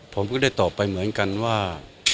ผมก็ได้ตอบไปเหมือนกันว่า